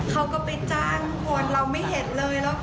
เขาก็ไปจ้างคนเราไม่เห็นเลย